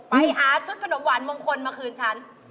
ไปหาชุดขนมหวานมงคลมาคืนฉัน